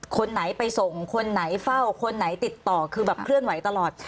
คนไหนไปส่งคนไหนเฝ้าคนไหนติดต่อคือแบบเคลื่อนไหวตลอด